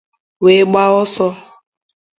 wee gbaa ọsọ.